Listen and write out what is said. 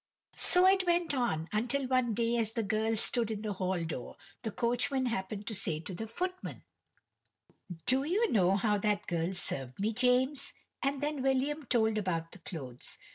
So it went on until one day as the girl stood in the hall door, the coachman happened to say to the footman: "Do you know how that girl served me, James?" And then William told about the clothes.